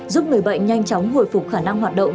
giúp người bệnh nhanh chóng hồi phục khả năng hoạt động